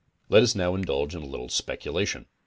Let us now indulge in a little speculation.